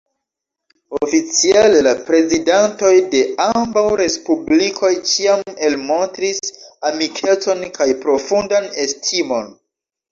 Oficiale la prezidantoj de ambaŭ respublikoj ĉiam elmontris amikecon kaj profundan estimon.